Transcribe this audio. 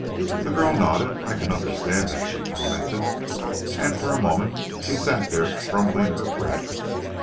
The girl nodded. "I can understand that," she commented, and for a moment she sat there crumbling her bread.